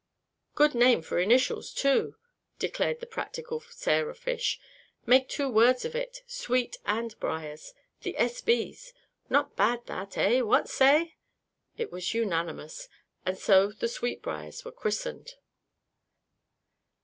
"Good name for initials, too," declared the practical Sarah Fish. "Make two words of it Sweet and Briars. The 'S. B.'s ' not bad that, eh? What say?" It was unanimous. And so the Sweetbriars were christened.